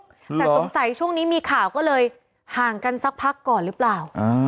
แต่สงสัยช่วงนี้มีข่าวก็เลยห่างกันสักพักก่อนหรือเปล่า